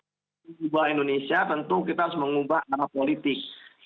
untuk mengubah indonesia tentu kita harus mengubah arah politik